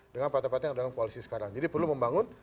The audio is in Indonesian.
dengan partai partai yang ada dalam koalisi sekarang jadi perlu membangun